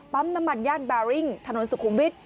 น้ำมันย่านแบริ่งถนนสุขุมวิทย